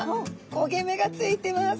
こげめがついてます。